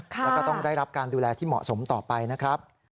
แล้วก็ต้องได้รับการดูแลที่เหมาะสมต่อไปนะครับ